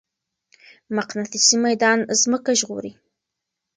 مقناطيسي ميدان ځمکه ژغوري.